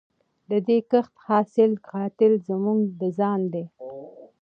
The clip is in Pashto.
د دې کښت حاصل قاتل زموږ د ځان دی